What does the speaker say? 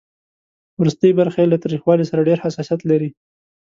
ورستۍ برخه یې له تریخوالي سره ډېر حساسیت لري.